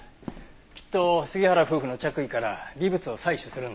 きっと杉原夫婦の着衣から微物を採取するんでしょう。